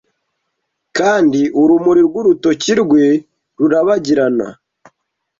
kandi urumuri rw'urutoki rwe rurabagirana